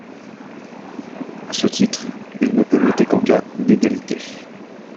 À ce titre, il ne peut voter qu'en cas d'égalité.